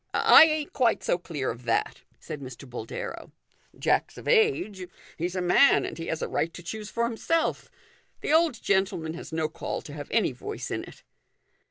" I ain't quite so clear of that," said Mr. Boldero. "Jack's of age; he's a man, and he has a right to choose for himself. The old gentleman has no call to have any voice in it."